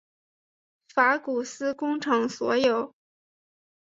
法古斯工厂所有。